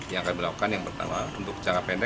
yang akan kita lakukan yang pertama untuk kecanggapan